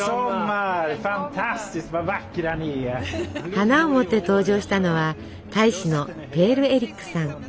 花を持って登場したのは大使のペールエリックさん。